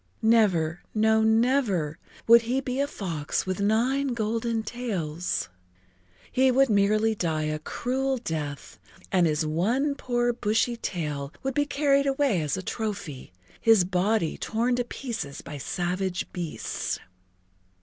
Never, no, never, would he be a fox with nine golden tails! He would merely die a cruel death and his one poor bushy tail would be carried away as a trophy, his body torn to pieces by savage beasts.